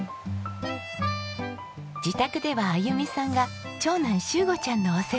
自宅ではあゆみさんが長男柊伍ちゃんのお世話中。